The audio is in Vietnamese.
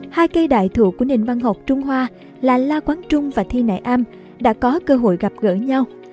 hai cây đại thụ của nền văn học trung hoa là la quán trung và thi nại am đã có cơ hội gặp gỡ nhau